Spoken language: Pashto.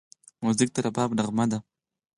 موزیک د رباب نغمه ده.